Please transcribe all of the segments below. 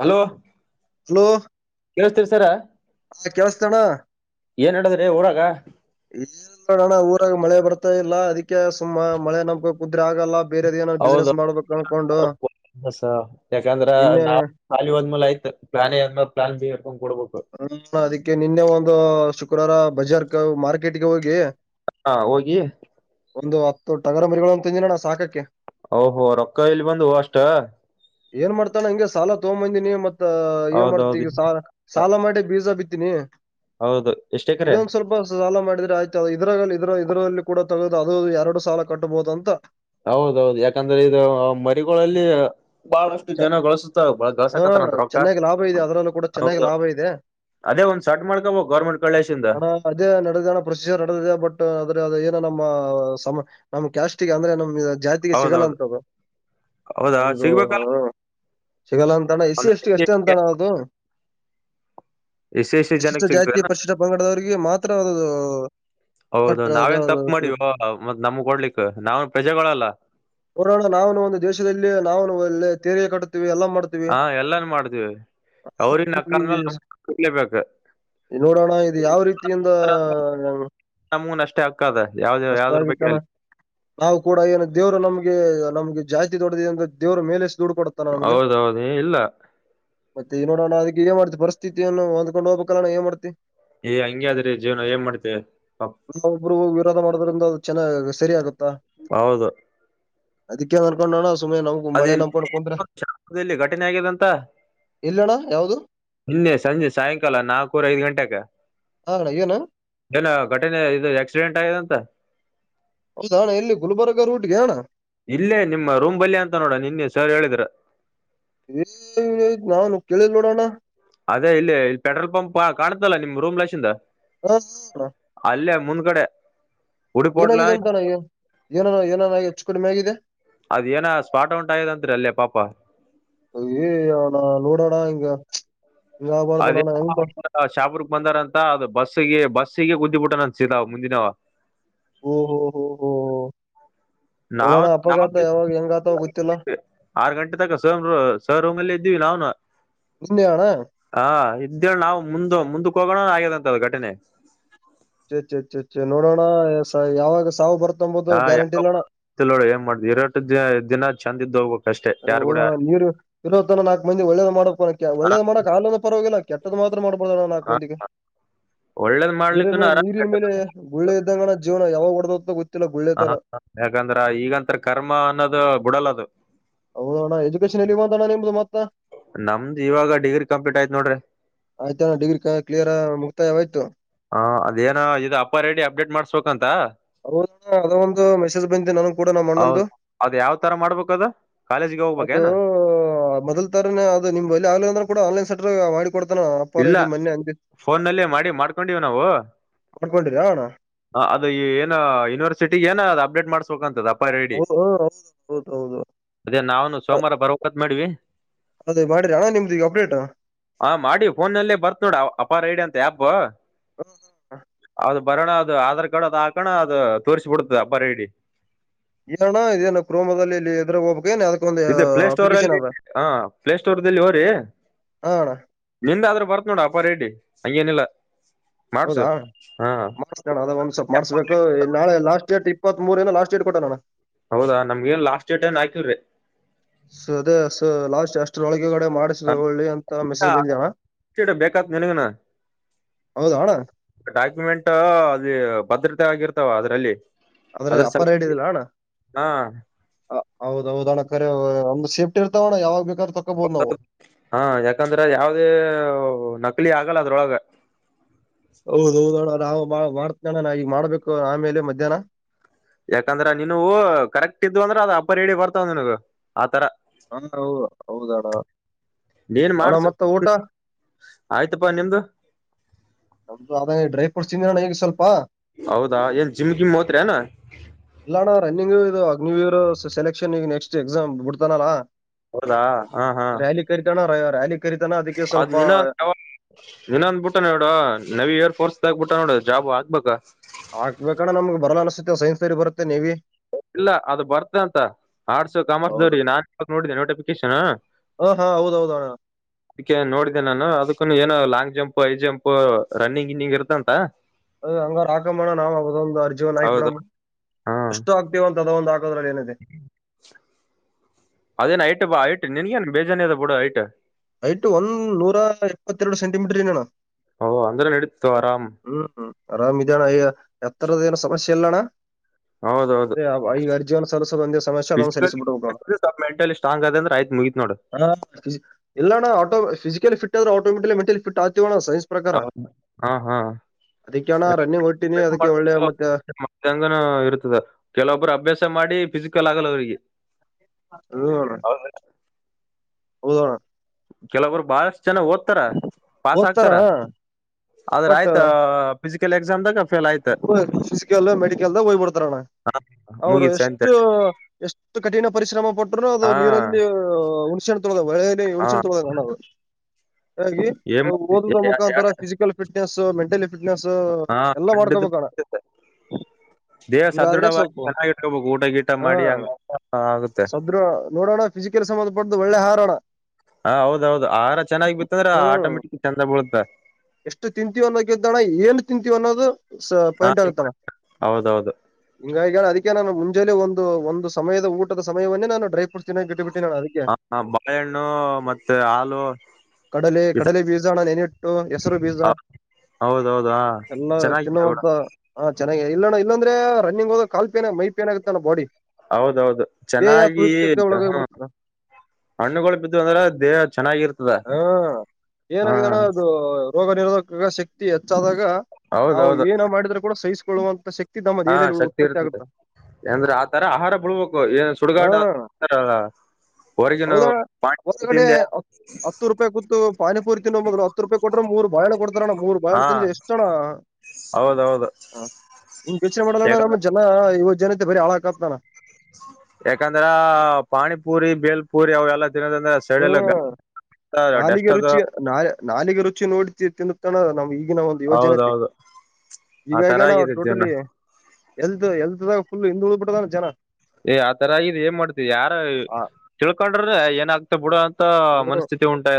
Hello ಕೇಳಸ್ತೀತ್ sir ಇಲ್ಲಿ ಕೇಸ್ತಣ ಏನ್ ಹೇಳುದ್ರಿ ಊರಾಗ. ಇಲ್ ಅಣ್ಣ ಊರಾಗ ಮಳೆ ಬರ್ತಾ ಇಲ್ಲ ಅದಕ್ಕೆ ಸುಮ್ಮ ಮಳೆ ನಂಬಕ ಕುಂತ್ರೆ ಆಗಲ್ಲ. ಬೇರೆದ್ ಏನಾದ್ ಬಿಸ್ನೆಸ್ ಮಾಡ್ಬೇಕು ಅನ್ಕೊಂಡು. ಬಸಯಾಕಂದ್ರ ನಿನ್ನೆ ನಾಲಿ ಒಂದ್ಮೆಲ್ ಆಯ್ತು ಪ್ಲಾನ ಏ ಅದ್ಮೇಲ್ ಪ್ಲಾನ್ ಬಿ. ಹಿಡ್ಕೊಂಡ್ ಕೊಡ್ಬೇಕು [unintelligible] ಅದಕ್ಕೆ ನಿನ್ನೆ ಒಂದು ಶುಕ್ರವಾರ ಬಜಾರ್ಕಾ ಮಾರ್ಕೆಟ್ಗೆ ಹೋಗಿ. ಹಾ ಹೋಗಿ ಒಂದು ಹತ್ತು ಟಗರ ಮರಿಗಳನ್ ತಂದಿನ್ನಣ್ಣ ಸಾಕಕ್ಕೆ. ಓಹೋ ರೊಕ್ಕ ಇಲಿ ಬಂದ್ವು ಅಷ್ಟ. ಏನ್ ಮಾಡ್ತಾನ ಹಂಗೆ ಸಾಲ ತಗೊಂಬಂದೀನಿ ಮತ್ ಏನ್ ಮಾಡ್ತತಿ ಹೌದೌದು ಈಗ ಸಾಲ ಮಾಡಿ ಬೀಜ ಬಿತ್ [unintelligible] ಹೌದು ಎಷ್ಟೇಕ್ರೆ ಇದೊಂದ ಸ್ವಲ್ಪ ಸಾಲ ಮಾಡಿದ್ರೆ ಆಯ್ತ ಇದ್ರಾಗ ಇದ್ರ ಇದರಲ್ಲಿ ಕೂಡ ತೆಗೆದು ಅದು ಎರಡು ಸಾಲ ಕಟ್ಟಬಹುದು ಅಂತ. ಹೌದೌದು ಯಾಕಂದ್ರೆ ಇದು ಮರಿಗಳಲ್ಲಿ. ಬಹಳಷ್ಟು ಚ ಜನ ಗಳಿಸುತ್ತಾವ ಹಾ ಗಳಿಸಕತ್ತಾರಂತ ರೊಕ್ಕ ಚೆನ್ನಾಗ ಲಾಭ ಇದೆ ಅದರಲ್ಲೂ ಕೂಡ ಚೆನ್ನಾಗ ಹೌದು ಲಾಭ ಇದೆ. ಅದೇ ಒಂದ್ ಸಟ್ ಮಾಡ್ಕೋಬೇಕು ಗೌರ್ಮೆಂಟ್ ಕಳ್ಳೇಶಿಂದ ಹ ಅದೇ ನಡೆದಣ ಪ್ರೊಸೀಜರ್ ನಡೆದಿದೆ ಬಟ್ ಆದ್ರೆ ಅದ್ ಏನ್ ನಮ್ಮ ಸಮ ನಮ್ ಕ್ಯಾಸ್ಟ್ಗೆ ಅಂದ್ರೆ ನಮ್ ಜಾತಿಗೆ ಹೌದೌದು ಸಿಗಲ್ಲಂತ್ದು ಹೌದಾ ನಮ್ದು. ಸಿಗ್ಬೇಕಲ್ಲ ಹ್ಮ ಸಿಗಲ್ಲ ಅಂತಣ್ಣ ಎಸ್ಸಿ ಒಂದ್ ಎಷ್ಟಿ ಅಷ್ಟೇ ಅಂತಣ್ಣ ಅದು. ಎಷ್ಟ್ ಎಷ್ಟ್ ಪಶಿಷ್ಟ ಜನಕ್ಕೆ ಸಿಗ್ತದೆ ಜಾತಿ ಪಶಿಷ್ಟ ಪಂಗಡದವ್ರಿಗೆ ಮಾತ್ರ ಅದದು. ಹೌದು ನಾವೇನ್ ತಪ್ಪ ಮಾಡಿವ ಮತ್ ನಮಗ್ ಕೊಡ್ಲಿಕ್ ನಾವೆನ್ ಪ್ರಜೆಗಳಲ್ಲ. ನೋಡೋಣ ನಾವುನು ಒಂದು ದೇಶದಲ್ಲಿ ನಾವು ಎಲ್ಲ ತೆರಿಗೆಯ ಕಟ್ಟುತ್ತೀವಿ ಎಲ್ಲ ಮಾಡ್ ಹಾ ಎಲ್ಲಾನು ಮಾಡ್ತಿವಿ ಅವ್ರಿನ್ ಅಕ್ಕಂದ್ಮೇಲೆ ನಮ್ ಕಟ್ಲೆಬೇಕು. ನೋಡೋಣ ಇದು ಯಾವ್ ರೀತಿಯಿಂದ ಆ. ನಮುನ್ ಅಷ್ಟೇ ಅಕ್ಕದ ಯಾವ್ದ ಯಾವದ್ರ ಬಗ್ಗೆ ಆಗಿತ್ತಣ್ಣ ಅಲ್ಲಿ. ನಾವು ಕೂಡ ಏನು ದೇವರು ನಮ್ಗೆ ನಮ್ಗೆ ಜಾಸ್ತಿ ದೊಡ್ಡದಿದೆ ಅಂದ ದೇವ್ರ್ ಮೇಲೆ ದುಡ್ಡು ಕೊಡತ್ತಾನ ನಮ್ಗೆ ಹೌದೌದು ಏ ಇಲ್ಲ. ಮತ್ತೆ ನೋಡಣ ಅದ್ಕೆ ಏನ್ ಮಾಡ್ತಿ ಪರಿಸ್ಥಿತಿಯನ್ನು ಹೊಂದ್ಕೊಂಡ ಹೋಗ್ಬೇಕ ಅಲ್ಲಣ ಏನ್ ಮಾಡ್ತಿ. ಏ ಹಂಗೆ ಅದ್ರಿ ಜೀವನ ಏನ್ ಮಾಡ್ತೇವಿ ಪಾಪ್ ಒಬ್ರು ವಿರೋಧ ಮಾಡೋದ್ರಿಂದ ಚೆನ್ನಾಗಗ ಸರಿಯಗುತ್ ಹೌದು ಅದಕ್ಕೆ ಅನ್ಕೊಂಡೋಣ ಸುಮ್ಮನೆ ನಮ್ಗು ಮಳೆ ನಮ್ [unintelligible] ದಲ್ಲಿ ಘಟನೆ ಆಗ್ಯದಂತ. ಎಲ್ಲಿ ಅಣ್ಣ ಯಾವ್ದು ನಿನ್ನೆ ಸಂಜೆ ಸಾಯಂಕಾಲ ನಾಕುವರೆ ಐದ್ ಗಂಟೆಗ. ಹಾ ಅಣ್ಣ ಏನ ಏನೋ ಘಟನೆ ಇದು ಆಕ್ಸಿಡೆಂಟ್ ಆಗೆದಂತ. ಹೌದ ಅಣ್ಣ ಏಲ್ಲಿ ಗುಲ್ಬರ್ಗಾ ರೂಟ್ಗೆ ಅಣ್ಣ. ಇಲ್ಲೇ ನಿಮ್ಮ ರೂಮ್ ಬಲ್ಯ ಅಂತ ನೋಡ ನಿನ್ನ ಸರ್ ಹೇಳಿದ್ರ. ಇಲ್ಲೆ ನಾವ್ನ ಕೇಳಿಲ್ ನೋಡಣ. ಅದೇ ಇಲ್ಲಿ ಇಲ್ ಪೆಟ್ರೋಲ್ ಪಂಪ್ ಕಾಣುತ್ತಲ್ಲಾ ನಿಮ್ ರೂಮ್ ಲಾಷಿಂದ. ಅರ್ರಲ್ ರ. ಮುಂದ್ಗಡೆ ಹುಡುಪೋಟ್ಲ ಏನಾಗಿದೆ ಅಂತಾಣ್ಣ ಏನ ಏನ ಏನನ ಹೆಚ್ಚು ಕಡ್ಮೆ ಆಗಿದೆ. ಅದ್ ಏನ ಸ್ಪಾಟ ಉಂಟಾದಂತ್ರಿ ಅಲ್ಲೇ ಪಾಪ. ಅಯ್ಯ ಅಣ ನೋಡಣ ಹಿಂಗ. ಹಿಂಗ ಆಗ್ಬಾರ್ದು ಅದೇ ನೋಡೋಣ ಹೆಂಗ್ ಮಾಡ್ ಶಾಬುರ್ಕ್ ಬಂದಾರಂತ ಅದು ಬಸ್ಗೆ ಬಸ್ ಸಿಗಿ ಗುದ್ದಿಬುಟ್ಟನ ಅನ್ಸಿದ ಮುಂದಿನವ. ಓ ಹೋ ಹೋ ಹೋ. ನಾವ್ ನೋಡೋಣ ಅಪಘಾತ ನಾಮ್ಗ್ ಯಾವಾಗ ಹೆಂಗಾತಾವ ಗೊತ್ತಿಲ್ಲ ಆರು ಗಂಟೆ ತಕ ಸ ಸರ್ ರೂಮಲ್ಲಿ ಇದ್ವಿ ನಾವ್ನು. ನಿನ್ನೆ ಅಣ್ಣ ಹಾ ಇದ್ದೇಳ್ ನಾವು ಮುಂದ ಮುಂದಕ್ಕ ಹೋಗ್ ಬಾ ಆಗೆದಂತ ಘಟನೆ. ಚೇ ಚೆ ಚೇ ಚೆ ನೋಡಣ ಸ ಯಾವಾಗ ಸಾವ್ ಬರ್ ಹಾ ಯಾವೋ ಗೊತ್ತಿಲ್ಲ ಏನ್ ಮಾಡ್ದ ಇರಟ ದ ದಿನ ಚಂದ ಇದ ಹೋಗ್ಬೇಕ್. ಅಷ್ಟೇ ಅದೇ ಯಾರ್ ಕೂಡ ಹೋದೋಣ ನೀರು ಇರೋತ್ತ ನಾಕ್ ಮಂದಿ ಒಳ್ಳೇದ್ ಮಾಡಕ್ ಹಾ, ಒಳ್ಳೇದ ಮಾಡಕ್ ಆಗ್ಲಂದ ಪರವಾಗಿಲ್ಲ ಕೆಟ್ಟದ್ ಮಾತ್ರ ಮಾಡ್ಬರ್ದಣ್ಣ ನಾಕ ಹಾ. ಮಂದಿಗೆ ಒಳ್ಳೇದ್ ನೀರಿನ್ ಮಾಡ್ಲಿಕ್ಕೂನು ಆರಾಮ್ ನೀರಿನ್ ಮೇಲೆ ಗುಳ್ಳೆ ಇದಂಗಣ ಜೀವ್ ಯಾವಾಗಡ ಗ ಹ ಯಾಕಂದ್ರ ಈಗಂತ್ರ ಕರ್ಮ ಅನ್ನೋದು ಬಿಡಲ್ಲದು. ಹೌದಣ್ಣ ಎಜುಕೇಶನ್ ಎಲಿಗ್ ಬಂತಾಣ ನಿಮ್ದು ಮತ್ ನಮ್ದ್ ಇವಾಗ ಡಿಗ್ರಿ ಕಂಪ್ಲೀಟ್ ಆಯ್ತ್ ನೋಡ್ರಿ. ಆಯ್ತಾ ಡಿಗ್ರಿ ಕ ಕ್ಲಿಯರ್ ಮುಕ್ತಾಯ ವ ಆಯ್ತು. ಹಾ ಅದೇನ ಇದು ಅಪರ್ ಐಡಿ ಅಪ್ಡೇಟ್ ಮಾಡ್ಸ್ಬೇಕಂತ. ಅವರ್ದ ಅದು ಒಂದು ಮೆಸೇಜ್ ಬಂದೆ ನನಗ್ ಕೂಡ ನಮ್ಮ್ ಅಣ್ಣಂದು. ಹೌದ್ ಅದ್ ಯಾವ್ ತರ ಮಾಡ್ಬೇಕದ ಕಾಲೇಜ್ಗೆ ಅದು ಹೋಗ್ಬೇಕೇನು ಮೊದಲ್ ತಾರನೇ ಅದು ನಿಮ್ ಆಗ್ಲಿಲ್ಲ ಅಂದ್ರೆ ಕೂಡ ಆನ್ಲೈನ್ ಸ ಮಾಡಿ ಕೊಡ್ತಾನ ಅಪ್ಪಾರ ಇಲ್ಲ ಇಡಿ ಮೊನ್ನೆ ಅ ಫೋನ್ ನಲ್ಲಿ ಮಾಡಿ ಮಾಡ್ಕೊಂಡಿವ್ ನಾವು ಅಣಕೊಂಡರಣ ಯೂನಿವರ್ಸಿಟಿ ಏನ ಅಪ್ಡೇಟ್ ಮಾಡ್ಬೇಕ ಅಂತದ ರೆಡಿ ಹೌದು ಹೌದು ಹೌದು ಹೌದು ಅದೇ ನಾವನು ಅ- ಸೋಮವಾರ ಬರಕಾದ ಮಾಡವಿ ಅದೇ ಮಾಡಿರ ಅಣ್ಣ ನಿಮ್ದಗ ಅಪ್ಡೇಟಾ ಫೋನಲ್ಲೇ ಬರ್ತ್ ನೋಡ ಅಪಾರ ಐಡಿ ಅಂತ ಆ್ಯಪ್ ಹ್ಮ ಹ್ಮ್ ಹ ಅದು ಬರೋಣ ಅದು ಆಧಾರ್ ಕಾರ್ಡ್ ಅದುಾಕಣ ಅದು ತೋರ್ರಿಸಿಬ ಬಿಡ್ತದ ಬರ ಇಡಿ ಏಣ ಇದೇನ ಕ್ರೋಮದಲ್ಲಿ ಇಲ್ಲಿ ಎದ್ರ ಹೋಗ್ಬೇಕು ಇದು ಪ್ಲೇ ಸ್ಟೋರ್ ಅಲ್ಲಿ ಹಾ ಪ್ಲೇ ಸ್ಟೋರ್ಲ್ಲಿ ಹೋರಿ ಹಾ ಅಣ್ಣ ನಿಂದೆ ಆದ್ರೂ ಬರ್ತ್ ನೋಡ ಅಪ್ಪ ರೆಡ್ಡಿ ಹಂಗೇನಿಲ್ಲ ಮಾಡ್ಸು ಹೌದಾ ಹಾ ಮಾಡ್ಸ್ಕೋಣ ಅದ ಒಂದ್ ಸ್ವಲ್ಪ ಮಾಡ್ಸ್ಕು ನಾಳೆ ಲಾಸ್ಟ್ ಡೇ ಇಪ್ಪತ್ರಿ ಲಾಟ್ ಡಟ್ ಕೊಟ್ಟ ನಣು ಹೌದಾ ನಮ್ಗ ನ್ ಲಾಸ್ಟ್ ಡೇಟ್ ಏನ್ ಹಾಕಿಲ್ರರಿ ಸ ಅದೇ ಸ ಲಾಸ್ಟ್ ಎಸ್ಟ್ರಲ ಗಡೆ ಮಾಡಿಸೊಳ್ಳಿ ಅಂತ ಮೆಸೇಜ್ ಬಂದಾವ ಅಷ್ಟ್ ಡೇಟ್ ಬೇಕಾತ್ ನಿನಗನ ಡಾಕ್ಯುಮೆಂಟ್ ಅದ ಭದ್ರತೆ ಆಗಿರ್ತಾವ ಅದ್ರಲ್ಲಿ ಆದ್ರೆ ಅದ್ರ ಸಲ ಅಪ್ಪರ್ ಹೈಡಲ್ಲ ಅಣ್ಣ ಹ ಹೌದೌದಣ ಕರೆ ಒಂದು ಸೇಫ್ಟಿ ಇರ್ವೋಣ ಯಾವಾಗ ಬೇಕಾದ್ರೂ ತಕೋಬಹುದು ನಾವು ಹಾ ಯಾಕಂದ್ರೆ ಯಾವದೇ ನ ಇಳಿಯ ಆಗಲ್ ಅದ್ರೊಳಗೆ ಹೌದೌದ ನಾವು ಮಾಡ್ತ ನೋಣ ನ ಈಗ ಮಾಡ್ಬೇಕು ಆಮೇಲೆ ಮಧ್ಯಾಹ್ನ ಯಾಕಂದ್ರ ನೀನುವು ಕರೆಕ್ಟ್ ಇದ್ದ್ ಅಂದ್ರ ಅದ ಅಪ್ಪ ರಡಿ ಬರ್ತಾವ ನಿನಗ ಆತರ ಹಾ ಹೌದಣ ನೀನ್ ಅಣ ಮಾಡ್ಸು ಮತ್ತ ಊಟ ಆಯ್ತಪಾ ನಿಮ್ದು ನಮ್ದು ಅ ಡ್ರಫ್ರೂಟ್ ತಿಂದಿ ಹಣ್ಣ ಹ ಈಗೆ ಸ್ವಲ್ಪ ಹೌದಾ ಏನ್ ಜಿಮ್ ಗಿಮ್ ಹತ್ ಅನಾ ನೀವ್ ಇವರು ಸೆಲೆಕ್ಷನ್ ಈಗ ನೆಕ್ಸ್ಟ್ ಎಕ್ಸಾಮ್ ಬಿಡ್ತಾನಲ್ಲಾ ಹೌದಾ ಹಾ ಹಾ ರ್ಯಾಲಿ ಕರಿತಾನ ಅದಕ್ಕೆ ಅದು ಸ್ವಲ್ಪ ವಿನಾನ್ ಇನ್ನೊಂದ್ ಬುಟ್ಟನ್ ನೋಡ ನವಿ ಏರ್ಫೋರ್ಸ್ ಆಗ್ಬಿಟ್ಟ ನೋಡೋ ಜಾಬ್ ಆಗ್ಬಬೇಕಾ ಆಗ್ಕ್ಬೇಕಣ ನಮಗ್ ಬರ್ಲ ಅನ್ಸುತ್ತೆ ಸೈನ್ಸ್ಲ್ ಬರುತ್ತೆ ನೀವಿ ಇಲ್ಲ ಅದು ಬರ್ತ ಅಂತ ಆರ್ಟ್ಸ್ ಹೌದು ಕಾಮರ್ಸ್ವಿಗೆ ನಾನ್ ಇಾಗ ನೋಡಿದ್ದೆ ನೋಟಿಫಿಕೇಶನ್ ಹ ಹೌದು ಹೌದು ಅಣ್ಣ ಅದಕ್ಕೆ ನೋಡಿದ್ದೆ ನಾನು ಅದಕ್ಕ ಏನ long jump high jump running ಗಿನ್ನಿಂಗ್ ಇರ್ತಂತ ಅದ ಹಂಗಾರ ಆಕಮೋಣ ನಾವವು ಅದೊಂದು ಅರ್ಜೀವ ನಾಯ್ಕ್ ಹೌದಾ ಬ್ರಹ್ಮ ಹಾ ಎಷ್ಟು ಆಗ್ತತಿವ ಅಂತ ಅದ ಒಂದು ಆ ಕದರ ಲನೆದ್ದ ಇ ಬಾ ಹೈಟ್ ನಿನ್ಗೆನ ಬೇಜಾನಿಯದ ಇರ್ತೈತ್ ಬಿಡು ಹೈಟ್ ಐಟ್ ಒಂದ್ ನೂರ ಇಪ್ಪತ್ತೆರಡು ಸೆಂಟಿಮೀಟರ್ ಏನನ ಓಹ ಅಂದರ ನಡತ ವಾರಾಮ ಹ್ಮ್ ಆರಾಮ್ ಇದಣ್ಣ ಎತ್ತರದ ಏನ ಸಮಸ್ಯೆ ಇಲ್ಲಣ್ಣ ಹೌದೌದು ಅದೇ ಈ ಅರ್ಜವನ ಸರಸ್ವತಂ ಸಮೇಶ ಅದೊಂದು ಫಿಸಿಕಲಿ ಸಲ್ಲಿಸಿಬಟ್ಟು ನತಣ ಸ್ವಲ್ಪ ಮೆಂಟಲಿ ಸ್ಟ್ರಾಂಗ್ ಅದ ಅಂದ್ರೆ ಆಯ್ತು ಮುಗೀತ್ ನೋಡು ಹ ಎಲ್ಲ್ಆಟೋ ಫಿಸಿಕಲಿ ಫಟ್ ಆದ್ರೆ ಆಟೋಮೆಟಿಲಿ ಮೆಟಲಿ ಫಿಟ್ ಆ ಹೌ ಹಾ ಹಾ ಅದ ರಿಂಗ್ ಮಾಡ ಮಂಗ ಇರುತದೆ ಕೆಲವೊಬ್ಬರು ಅಭ್ಯಾಸ ಮಾಡಿ ಫಿಸಿಕ್ ಕ್ಕಲಾಗಲ್ಲ ಅವರಿಗೆ ಹ ಹೇಳ ಹಓ ಕೆಲವರು ಬಹಳಷ್ಟು ಜನ ಓದ್ತಾರ ಪಸ್ ಓದ್ತಾರ ಆಾಕ್ತಾರ ಆದ್ರ ಆಯ್ತಾ ಫಿಸಿಕಲ್ ಎಕ್ಸಾಮ್ ದಾಗ ಹ ಫಿಸಿಕಲ್ ಮೆಡಿಕಲ್ದ ಹಯ್ಬಡ್ತಾರಣ್ಣ ಅವರು ಮುಗೀತ್ ಸಂತೆ ಎಷ್ಟು ಎಷ್ಟು ಕಠಿಣ ಪರಿಶ್ರಮ ಪಟ್ಟ್ರರುೂ ಅದು ಹಾ ನೀರಲ್ಲಿ ಹುಣ್ಸಣೆ ತೊಳ ಒಳಲಿ ಹಾ ಹುಣ್ಣ್ ತೊಳ್ದಾಗಣವು ಹಾಗಾಗಿ ಏನ್ ಮಾಡ್ತಿ ಓದದ ಮುಖಾಂತರ ಫಿಸಿಕಲ್ ಫಿಟ್ನೆಸ್ ಮೆಂಟಲಿ ಫಿಟ್ನೆಸ್ ಹಾ ಎಲ್ಲ ಮಾಡಡಕಂಬ ಕಾಣ ಅಡ್ಡದ ದೇಹ ಹಿಂಗಾದ್ರೆ ಸದೃಢವಾಗಿ ಸೊಪ್ಪು ಚೆನ್ನಾಗಿ ಇಟ್ಕೋಬೇಕು ಊಟ ಗೀಟ ಹಾ ಮಾಡಿ ಹಂಗ ಆಗುತ್ತೆ ಸದ್ರ ನೋಡೋಣ ಫಿಸಜಿಕಲ್ ಸಂಬಧ ಪಡದು ಒಳ್ಳೆ ಹಾರಾಟ ಹ ಹೌದೌದು ಆಹಾರ ಚೆನ್ನಾಗಿ ಬಿತ್ತಂದ್ರ ಹ್ಮ್ ಆಟೋಮೆಟಿಕ್ ಚಂದ ಬಳುತ್ತ ಎಷ್ಟು ತಿಂತೀವಿ ಅನ್ನೋದ್ದಣ ಏನ್ ತಿಂತೀವಿ ಅನ್ನೋದು ಹ ಪಾಯಿಂಟ್ ಆಗುತ್ತ ಹೌದೌದು ಹಿಂಗ ನಾನು ಮುಂಜೆ ಒಂದು ಒಂದು ಸಮಯದ ಊಟದ ಸಮಯವನ್ನೇ ನಾನು ಡ್ರೈವ ಹ ಬಾಳೆಹಣ್ಣು ಮತ್ತೆ ಹಾಲು ಕಡಲೆ ಕಡಲೆ ಬೀಜಾಣ ನೆನಿಟ್ಟು ಎಸ್ ಹಸರು ಬೀಜ ಹೌದೌದು ಹ ಎಲ್ಲಾ ಚೆನ್ನಾಗಿದೆ ಬಿಡ ತಿನ್ನುವಂತ ಹ ಚೆನ್ನಾಗಿ ಇಲ್ಲ ಇಲ್ಲಂದ್ರೆ ರನ್ನಿಂಗ ಹೋದ ಕಾಲ್ೇನ್ ಮೈ ಪೇನ್ ಆಗತ್ತ ನಮ್ಮ ಬಾಡಿ ಹೌದೌದು ಎ ಚೆನ್ನಾಗಿ ಕವ ಕ ಪಡತ ಹಣ್ಣುಗಳು ಬಿದ್ದು ಅಂದ್ರ ದೇಹ ಚೆನ್ನಾಗಿರ್ತದ ಹಾ ಹ ಏನಾಗಣ ಅದು ರೋಗ ನಿರೋಧಕ ಶಕ್ತಿ ಹೆಚ್ಚಾದಾಗ ನಾವು ಹೌದೌದು ಏನೋ ಮಾಡಿದ್ರರು ಕೂಡ ಸಹಿಸ ಕೋಳ್ಳುವಂತ ಶಕ್ತಿ ತಮ್ಮ ದೇಹದಲ್ಲಿ ಉತ್ಪತ್ತಿ ಆಗುತ್ತಾ ಏಂದ್ರ ಆತರ ಆಹಾರ ಬಳ್ಬೇಕು ಏನ್ ಸುಡುಗಾಡು ಹಾ ಹೌದಾ ಒಂದಗಡೆ ಹತ್ತು ರೂಪಾಯಿ ಕೂತು ಪಾನಿಪೂರಿ ತಿನ್ನೋ ಮಲು ಹತ್ತು ರೂಪಾಯಿ ಕೊಟ್ಟ ಮೂರ್ ಬಾಯಳ ಕೊಡ್ತಾರಣ್ಣ ಮೂರ್ ಬಾಯಳು ಹಾ ತಿಂದ್ರೆ ಎಷ್ಟಣ ಹೌದೌದು ಹ ನಿಂಗ್ ಯೋಚನೆ ಮಾಡಲಣ ಯಾಕ ನ ಜನ ಇವ ಜನತೆ ಬರಿ ಹಾಳ ಕಾಪ್ತಾನ ಯಾಕಂದ್ರ ಪಾನಿಪುರಿ ಬೇಲ್ಪುರಿ ಅವ ಎಲ್ಲ ತಿಿನೋದಂದ್ರೆ ಸೆಳಲ್ಲ ಗ ಹ್ಮ್ ನಾಲಿಗೆ ರುಚಿ ನಾ ನಾಲಿಗೆ ರುಚಿ ನೋಡಿತಿ ತಿಂದು ಕಣ ನಮ ಈ ಒಂದು ಯೋಜನೆ ಹೌದೌದು ಆ ತರ ಈಗಗ ನಾ ಆಗಿದೆ ಜೀವನ ಟೋಟಲಿ ಎಲ್ತ್ ಎಲ್ತ್ ಪುಲ್ ಇಂದ್ ಉಲ್ಧ್ ಬಿಟ್ಟದಾನ ಜನ ಏ್ ಆ ತರ ಇದ್ ಏನ್ ಮಾಡ್ತ್ ಯಾರ ಆ, ತಿಳ್ಕೊಂಡ್ರ ಏನ ಆಗ್ತ ಬಿಡ ಅಂತ ಮನಸ್ಥಿತಿ ಉಂಟಾ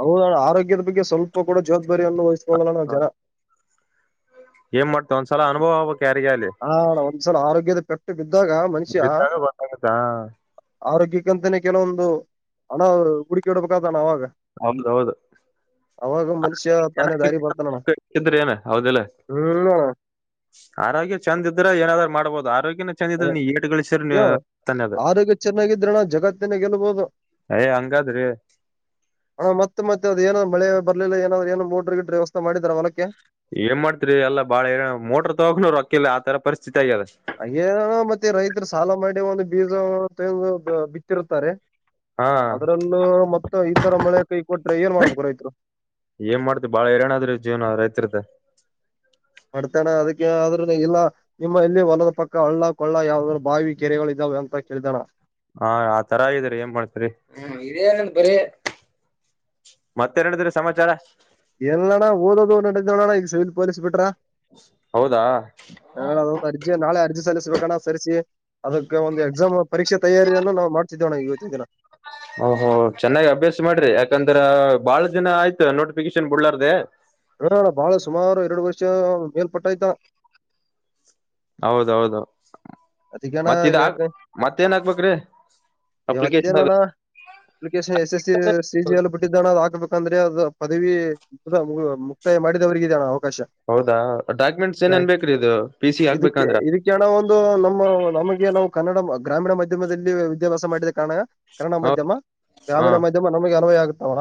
ಹೌ ಆರೋಗ್ಯದ ಬಗ್ಗೆ ಸ್ವಲ್ಪ ಕೂಡ ಜವಾಬ್ದಾರಿಯನ್ನು ವಹಿಸ್ಕೊಳ್ಳಲ್ಲ ನಾವ್ ಜನ ಏನ್ ಮಾಡ್ತ ಒಂದ್ಲ ಅನುಭವೋಗೆ ಹ ಒಂದ್ಸಲ ಆರೋಗ್ಯದ ಪೆಟ್ಟು ಬಿದ್ದಾಗ ಮನುಷ್ಯ ಬಿದ್ದಾಗ ಗೊತ್ತಾಗುತ್ತ ಆರೋಗ್ಯ [unintelligible] ಕೆಲವೊಂದು ಹಣ ಹುಡುಕೆ ಇಡ್ಬೇಕಾದ ಅವಾಗ ಹೌದ್ ಹೌದು ಅವಾಗ ಮನುಷ್ಯ ತಾನೇ ದಾರಿ ಬರ್ತಾನಣ ಚೆನ್ನಾಗಿದ್ರ ಏನ ಹೌದಿಲ್ಲ ಹ್ಮ ಆರೋಗ್ಯ ಚಂದ ಇದ್ರೆ ಏನಾದ್ರು ಮಾಡ್ಬೋದು ಆರೋಗ್ಯ ಚೆಂದಿದ ನೀ ಏಟು ಗಳಿಸ್ರ ಏ ತಾನ ಅದ ಆರೋಗ್ಯ ಚೆನ್ನಾಗಿದ್ರಣ ಜಗತ್ತಿನ ಗೆಲ್ಬಹುದು ಏ ಹಂಗಾದ್ರಿ ಹಣ ಮತ್ತೆದ ಏನ್ ಮಳೆ ಬಲಿಲ್ಲ ಏನಾದ್ರು ಏನ್ೋಡ್ರಿ ಗಿಟ್ಟ್ರ ವ್ಯವಸ್ಥ ಮಾಡಿದ್ದಾರೆಾರ ಹೊಲಕ್ಕೆ ಏನ್ ಮಾಡ್ತರಿ ಎಲ್ಲಾ ಬಾಳ ಏ ಮೋಟ್ರರ್ ತಗೋ್ರು ಅಕ್ಕಿಲ್ಲಿ ಆ ತರ ಪರಿಸ್ಥಿತಿ ಆಗ್ಯದ ಅೇ ಮತ್ತೆ ರೈತರು ಸಾಲ ಮಾಡಿ ಒಂದು ಬೀಜ ಬಿತ್ತಿರುತ್ತಾರೆ ಹಾ ಅದ್ರಲ್ಲೂ ಮತ್ತೆ ಈತರ ಮಳೆ ಕೈ ಕೊಟ್ರೆ ಏನ್ ಮಾಡ್ಬೇಕು ರೈತರು ಏನ್ ಮಾಡ್ತಿ ಬಾಳ ಹಏರನಾದ್ರಿ ಜೀವನ ರೈತರತೆ ಮಾಡಡ್ತಣ ಅದಕ್ಕೆ ಆದ್ರ ಇಲ್ಲ ನಿಮ್ಮ ಇಲ್ಲಿ ಹೊಲದ ಪಕ್ಕ ಹಳ್ಳ ಕೊಳ್ಳ ಯಾವ್ದಾದ್ರು ಬಾವಿ ಕೆರೆಗಳು ಇದಾವ ಅಂತ ಕೇಳಿದಾನ ಹಾ ಆ ತರ ಇದರಿ ಏನ್ ಮಾಡ್ತರಿ ಬರಿ ಮತ್ತೆರಡಿದ್ರ ಸಮಾಚಾರ ಎಲ್ಲಣ ಓದೋದು ನಡೀ ನೋಡಣ ಈಗ ಸಿವಿಲ್ ಪೊಲೀಸ್ ಬಿಟ್ರ ಹೌದಾ ನ ಅದಂದು ಅರ್ಜಿ ನಾಳೆ ಅರ್ಜಿ ಸಲ್ಲಿಸಬೇಕಣ ಸರಿಸಿ ಅದಕ್ಕೆ ಒಂದು ಎಕ್ಸಾಮ್ ಪರೀಕ್ಷೆ ತಯಾರಿಯನ್ನು ನಾವು ಮಾಡ್ ೋಣ ಇವತ್ತಿನ ದಿನ ಓಹೋ ಚೆನ್ನಾಗ್ ಅಭ್ಯಾಸ ಮಾಡ್ರಿ ಯಾಕಂದ್ರ ಬಾಳ ಜನ ಆಯ್ತು ನೋಟಿಫಿಕೇಶನ್ ಬಿಡ್ಲಾರ್ದ ಹಣ ಬಾಳ ಸುಮಾರು ಎರಡು ವರ್ಷ ಮೇಲ್ಪಟ್ಟ ಆ್ತ ಹೌದೌದು ಮತ್ತ ಇದ ಯಾಕ ಮತ್ತೇನ್ ಹಾಕ್ಬೇಕ್ರೀ ಅಪ್ಲಿಕೇಶನ್ ಮತ್ತೇನಣ್ಣ ಅಪ್ಲಿಕೇಶನ್ ಎಸ್ ಎಸ್ ಸಿ ಜಿಯಲ್ಲಿ ಬಿಟ್ಟಿದ್ದಾನ ಅ ಹಾಕ್ಬೇಕು ಅಂದ್ರೆ ಅದು ಪದವಿ ಮುಕ್ತಾಯ ಮಾಡಿದವರಿಗೆ ಜನ ಅವಾಶ ಹೌದಾ ಡಾಕ್ಯುಮೆಂಟ್ಸ್ ಏನೇನ್ ಬೇಕ್ರಿ ಇದು ಪಿ ಸಿ ಇದಕ್ಕೆ ಹಾಕ್ಬೇಕಂದ್ರ ಇದಕ್ಕೆ ಒಂದು ನ ನಮಗೆ ನಾವು ಕನ್ನಡ ಗ್ರಾಮೀಣ ಮಾಧ್ಯಮದಲ್ಲಿ ವಿದ್ಯಾಭ್ಯಾಸ ಮಾಡಿದ ಕಾರಣ ಕನ್ನಡ ಮಾಧ್ಯಮ ಹ ಗ್ರಾಮೀಣ ಮಾಧ್ಯಮ ನಮಗೆ ಅನ್ವಯ ಆಗುತ್ತ ಅವ್ರ.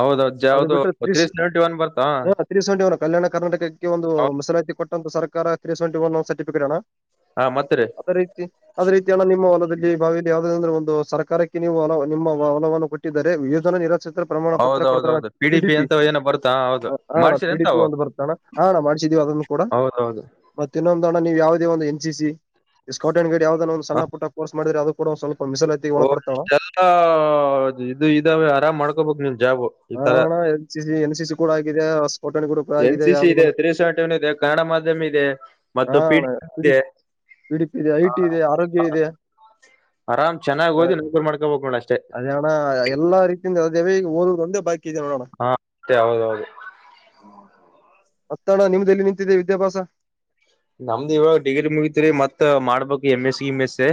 ಹೌದೌದು ಅದು ಯಾವ್ದು ಬಿಟ್ಟು ತ್ರೀ ಸೆವೆಂಟಿ ಒನ್ ಬರ್ತಾ ಹ ತ್ರ ಸೆವೆಂಟಿ ಒನ್ ಕಲ್ಯಾಣ ಕರ್ನಾಟಕಕ್ಕೆ ಒಂದು ಮೀಸಲಾತಿ ಕೊಟ್ಟಂತ ಸರ್ಕಾರ ತ್ರೀ ಸೆವೆಟಿ ಒನ್ ಸರ್ಟಿಫಿಕೇಟ್ ಅಲಾ ಹಾ ಮತ್ರಿ ಅದ ರೀತಿ ಅದೇ ರೀತಿಿಯಣ್ಣ ನಿಮ್ಮ ಹೊಲದಲ್ಲಿ ಬಾವಿಯಲ್ಲಿ ಯಾವ್ದ ಅಂದ್ರೆ ಒಂದು ಸರ್ಕಾರಕ್ಕೆ ನೀವು ನಿಮ್ಮ ಒಲವನ್ನು ಕೊಟ್ಟರೆ ವಿೋಧನ ನಿರ ಚತ್ರ ಪ್ರಮಾಣ ಪತ್ರ ಕೊಡತ ಹೌದೌದೌದು ಪಿ ಡಿ ಪಿ ಪಿಡಿಪಿ ಅಂತ ಏನೋ ಬರ್ತಾ ಹೌದು ಹಣ ಮಾಡ್ಸಿರಿ ಪಿಡಿಪಿ ಎಂತಾವು ಒಂದು ಬರ್ತಣ ಹಣ ಮಾಡ. ಅದನ್ನು ಕೂಡ ಹೌದೌದು ಮತ್ತನ್ನು ನೀವು ಯಾವವುದ N C C scout and guide ಯಾವದ ಒಂದು ಸಣ್ಣ ಪುಟ್ಟ ಕರ್ಸ್ ಮಾಡಿದ ಅದು ಕೂಡ ಸ್ವಲ್ಪ ಮೀಸಲಾತಿಗೆ ಒಳಪಡ್ತಾವ ಓದೆಲ್ಲ ಇದು ಇದಾವೆ ಆರಾಮ್ ಮಾಡ್ಕೊಬಕ್ ನಿನ್ ಜಾಬು. ಈ ತರ ಹಾಣ್ಣ N C N C C ಕೂಡ ಆಗಿದೆ. ಸ್ಕೌಟ್ ಅಂಡ್ ಗೈಡ್ ಕೂಡ ಎನ್ ಆಗಿದೆ ಸಿ ಸಿ ಇದೆ ಯಾವ್ದು ತ್ರೀ ಸಂಟಿ ಒನ್ ಇದೆ ಕನ್ನಡ ಮಾಧ್ಯಮ ಇದೆ ಮತ್ತು ಪಿ ಡಿ ಇದೆ. ಡಿ ಡಿ ಪಿ ಇದೆ ಐ ಟಿ ಇದೆ ಆರೋಗ್ಯ ಇದೆ. ಆರಾಮ್ ಚೆನ್ನಾಗಿ ಓದಿ ನೌಕರಿ ಮಾಡ್ಕೋಬೇಕು ನೋಡ ಅಷ್ಟೇ ಅದೇ ಅಣ ಎಲ್ಲಾ ರೀತಿಯಿಂದ ಅ ದೇವ ಓದುದು. ಒಂದೇ ಬಾಕಿ ಇದೆ ನೋಡೋಣ ಹಾ ಮತ್ತೆ ಹೌದೌದು ಅತ್ತಣ ನಿಮ್ದೆಲ್ಲಿ ನಿಂತಿದೆ ವಿದ್ಯಾಭ್ಯಾಸ. ನಮ್ದ ಇವಾಗ ಡಿಗ್ರಿ ಮುಗತ್ರಿ ಮತ್ ಮಾಡ್ಬೇಕು M S C M S C.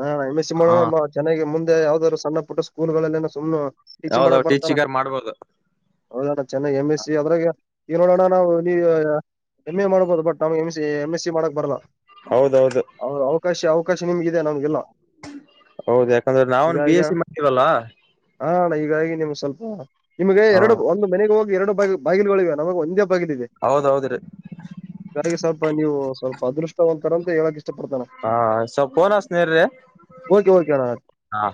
ಹಾ ಎಮ ಎ ಸಿ ಮಾಡ ಚೆನ್ನಾಗಿ ಮುಂದೆ ಯಾವ್ದಾದ್ರು ಸಣ್ಣ ಪುಟ್ಟ ಸ್ಕೂಲ್ ಗಳಲ್ಲೆನ ಸುಮ್ನೆ ಟೀಚಿಂಗ್ ಮಾಡಕ್ ಹೌದೌದು ಬರ್ತಾನ ಟೀಚಿಂಗರ್ ಮಾಡ್ಬೋದು ಹೌದಾ ಚೆನ್ನಾಗಿ ಎಮ್ ಎಸ್ ಸಿ ಅದ್ರಾಗ. ಈ ನೋಡೋಣ ನಾವು ನೀವು ಎಮ್ ಎ ಮಾಡ್ಬಹುದು. ಬಟ್ ನಮಗೆ ಎಮ ಎಂ ಎಸ್ ಸಿ ಮಾಡಕ್ ಬರಲ್ಲಾ. ಹೌದೌದು ಅವ್ರ ಅವಕಾಶ ಅವಕಾಶ ನಿಮ್ಗಿದೆ ನಮ್ಗೆಲ್ಲ. ಹೌದು ಯಾಕಂದ್ರೆ ನಾವನ್ ಬಿ ಈಗಗ ಎಸ್ ಸಿ ಮಾಡಿವಲ್ಲ ಹಣ್ಣ ಹೀಗಾಗಿ ನಿಮ್ ಸ್ವಲ್ಪ ಹ ನಿಮಗೆ ಎರಡು ಒಂದು ಮನೆಗೆ ಹೋಗಿ ಎರಡು ಬ ಬಾಗಿಲುಗಳುಿವೆ ನಮಗೆ ಒಂದ. ಹೌದೌದ್ರಿ ಹಾಗಾಗಿ ಸ್ವಲ್ಪ ನೀವು ಸ್ವಲ್ಪ ಅದೃಷ್ಟವಂತರಂತ ಹೇಳ! ಹಾ ಸ ಫೋನ್ ಹಚ್ಚುತ್ತೇನೆ ರೀ ಓಕೆ ಓಕೆ ಅಣ್ಣ ಹಾ!